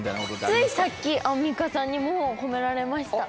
ついさっきアンミカさんにも褒められました